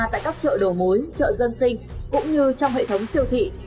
tại các chợ đầu mối chợ dân sinh cũng như trong hệ thống siêu thị